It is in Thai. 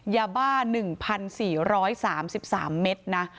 ยาบ้า๑๔๓๓เมตรนะ